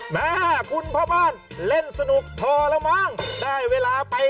แม่คุณพ่อบ้านเล่นสนุกพอแล้วมั้งได้เวลาไป